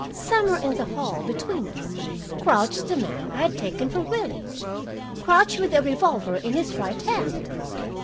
Somewhere in the hall between us crouched the man I had taken for Willie, crouched with a revolver in his right hand.